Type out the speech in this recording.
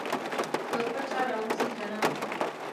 که پچه راوځي کنه.